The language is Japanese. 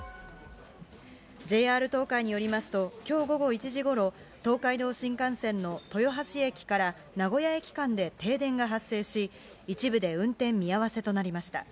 ＪＲ東海によりますと、きょう午後１時ごろ、東海道新幹線の豊橋駅から名古屋駅間で停電が発生し、一部で運転見合わせとなりました。